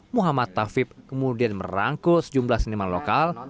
muhammad tafib kemudian merangkul sejumlah seniman lokal